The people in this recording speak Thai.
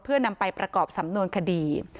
เพื่อนำไปประกอบสำนวนคดี